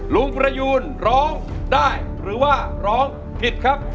ประยูนร้องได้หรือว่าร้องผิดครับ